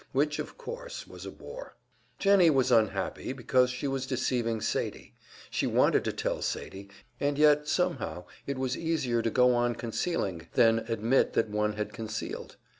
Which, of course, was a bore. Jennie was unhappy because she was deceiving Sadie; she wanted to tell Sadie, and yet somehow it was easier to go on concealing than admit that one had concealed.